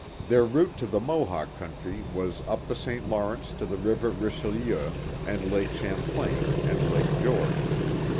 Their route to the Mo hawk country was up the St. Lawrence to the river Richelieu, and Lake Champlain and Lake George.